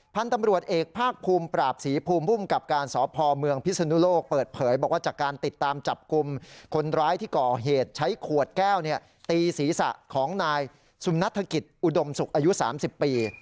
พันธุ์ตำรวจเอกภาคภูมิปราบศรีภูมิภูมิกับการสพเมืองพิศนุโลกเปิดเผยบอกว่าจากการติดตามจับกลุ่มคนร้ายที่ก่อเหตุใช้ขวดแก้วตีศีรษะของนายสุมนัฐกิจอุดมศุกร์อายุ๓๐ปี